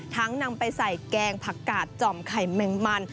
นำไปใส่แกงผักกาดจ่อมไข่แมงมัน